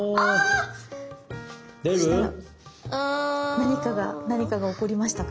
何かが何かが起こりましたか？